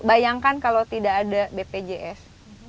bayangkan kalau tidak ada bpjs